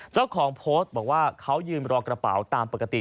เจ้าของโพสต์บอกว่าเขายืนรอกระเป๋าตามปกติ